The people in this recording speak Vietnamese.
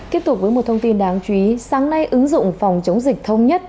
tiếp tục với một thông tin đáng chú ý sáng nay ứng dụng phòng chống dịch thông nhất